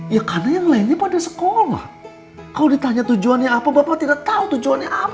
ya karena yang lainnya pada sekolah kalau ditanya tujuannya apa bapak tidak tahu tujuannya apa